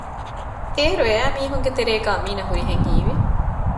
އޭރު އެއައި މީހުންގެތެރޭގައި މީނަ ހުރިހެން ހީވި